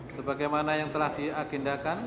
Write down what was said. sebagaimana yang telah diagendakan